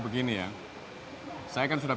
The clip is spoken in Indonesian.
begini ya saya kan sudah